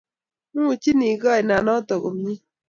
Muchini kaina notok komie